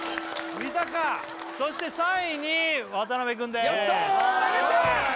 見たかそして３位に渡辺くんでーすやったー！